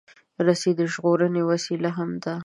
رسۍ د ژغورنې وسیله هم ده.